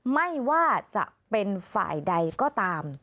ไม่ว่าจะเป็นฝ่ายใดก็ตาม